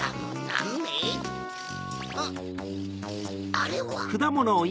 あれは！